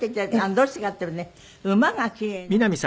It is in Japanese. どうしてかっていうとね馬がキレイなのとっても。